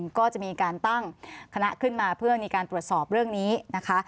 ก็จะมีการตั้งคณะขึ้นมาเพื่อมีการตรวจสอบเรื่องนี้นะคะ